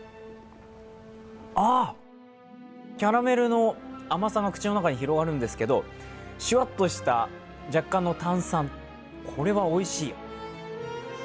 キャラメルの甘さが口の中に広がるんですけどシュワッとした若干の炭酸、これはおいしい。